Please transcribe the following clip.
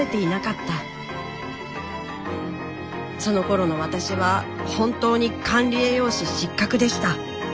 そのころの私は本当に管理栄養士失格でした。